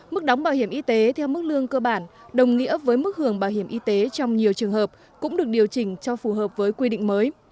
mức đóng bảo hiểm y tế theo mức lương cơ bản đồng nghĩa với mức hưởng bảo hiểm y tế trong nhiều trường hợp cũng được điều chỉnh cho phù hợp với quy định mới